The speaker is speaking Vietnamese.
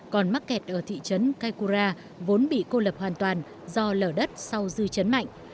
còn mắc kẹt ở thị trấn kaikura vốn bị cô lập hoàn toàn do lở đất sau dư chấn mạnh